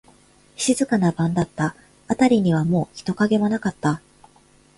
静かな晩だった。あたりにはもう人影はなかった。